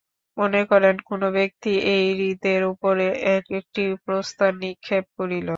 মনে কর, কোন ব্যক্তি এই হ্রদের উপর একটি প্রস্তর নিক্ষেপ করিল।